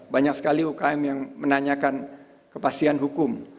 banyak sekali ukm yang menanyakan kepastian hukum